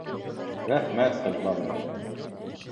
Рәхмәт, Ҡыш бабай!